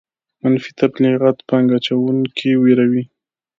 منفي تبلیغات پانګه اچوونکي ویروي.